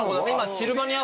シルバニア。